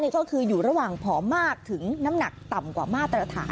ก็คืออยู่ระหว่างผอมมากถึงน้ำหนักต่ำกว่ามาตรฐาน